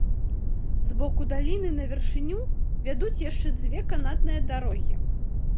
З боку даліны на вяршыню вядуць яшчэ дзве канатныя дарогі.